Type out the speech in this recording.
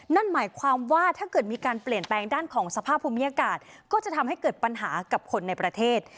นั่นหมายความว่าถ้าเกิดมีการเปลี่ยนแปลงด้านของสภาพภูมิอากาศก็จะทำให้เกิดปัญหากับคนในประเทศ